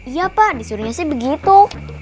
iya pak disuruhnya sih begitu